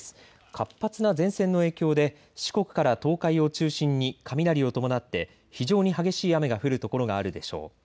活発な前線の影響で四国から東海を中心に雷を伴って非常に激しい雨が降る所があるでしょう。